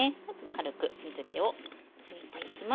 軽く水けを拭いていきます。